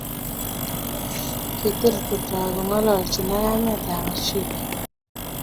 Kitil kotoi kongalchin ak kametab Ashiki